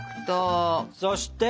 そして。